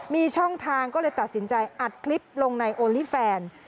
มีช่องทางก็เลยตัดสินใจอัดคลิปลงในโอลี่แฟน